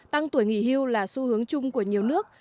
tăng tuổi nghỉ hưu là xu hướng chung của nhiều nước